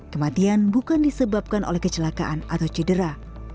kematian bukan disebabkan oleh kecelakaan atau cedera